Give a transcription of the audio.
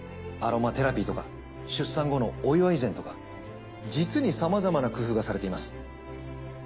アロマテラピーとか出産後のお祝い膳とか実にさまざまな工夫がされています。